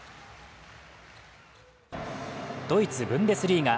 ドイツ・ブンデスリーガ。